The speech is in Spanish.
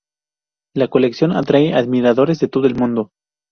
La colección atrae admiradores de todo el mundo.